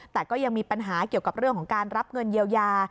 แต่ก็ยังมีปัญหาเกี่ยวกับเรื่องของการรับเงินเยียวยา